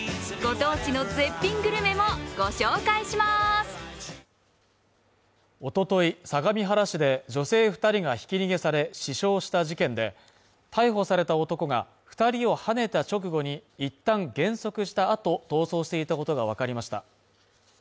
アサヒの緑茶「颯」おととい、相模原市で女性２人がひき逃げされ死傷した事件で、逮捕された男が２人をはねた直後に、いったん減速した後、逃走していたことがわかりました。